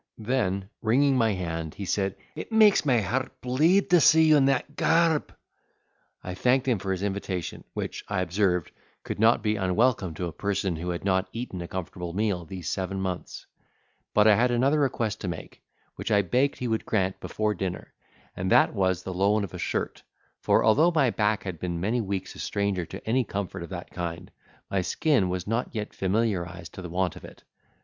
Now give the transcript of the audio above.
Then, wringing my hand, he said, "It makes my heart bleed to see you in that garb!" I thanked him for his invitation, which, I observed, could not be unwelcome to a person who had not eaten a comfortable meal these seven months; but I had another request to make, which I begged he would grant before dinner, and that was the loan of a shirt; for although my back had been many weeks a stranger to any comfort of that kind, my skin was not yet familiarised to the want of it.